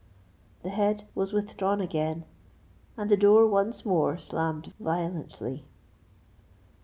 The head was withdrawn again, and the door once more slammed violently.